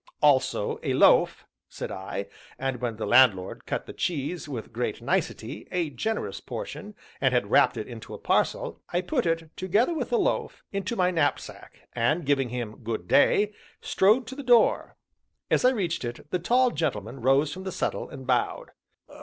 "Also a loaf," said I. And when the landlord had cut the cheese with great nicety a generous portion and had wrapped it into a parcel, I put it, together with the loaf, into my knapsack, and giving him "Good day!" strode to the door. As I reached it, the tall gentleman rose from the settle, and bowed.